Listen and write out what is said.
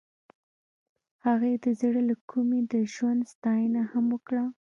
هغې د زړه له کومې د ژوند ستاینه هم وکړه.